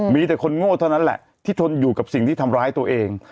มีแต่คนโง่เท่านั้นแหละที่ทนอยู่กับสิ่งที่ทำร้ายตัวเอง